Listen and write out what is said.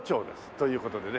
という事でね